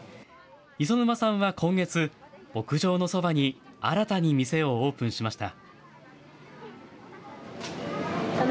磯沼さんは今月、牧場のそばに新たに店をオープンしました。